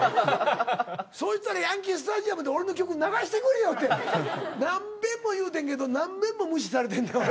そしたらヤンキ―・スタジアムで俺の曲流してくれよって何遍も言うてんけど何遍も無視されてんねん俺。